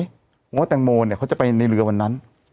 เพราะว่าตังโมเขาจะไปในเรือวันนั้น